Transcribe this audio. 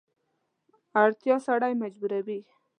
اړتیا سړی مجبوروي.